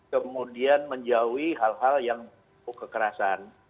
kemudian menjauhi hal hal yang kekerasan